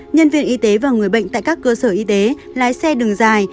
nhân viên y tế và người bệnh tại các cơ sở y tế lái xe đường dài